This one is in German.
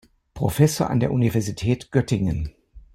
Professor an der Universität Göttingen.